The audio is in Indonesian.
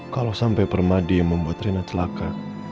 kalau sampai pemadi yang membuat raina celaka